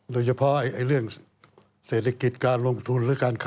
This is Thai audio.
โดยเฉพาะเรื่องเศรษฐกิจการลงทุน